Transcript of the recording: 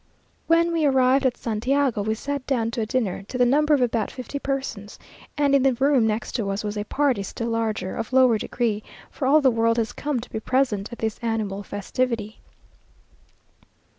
When we arrived at Santiago, we sat down to a dinner to the number of about fifty persons, and in the room next to us was a party still larger, of lower degree, for all the world has come to be present at this annual festivity.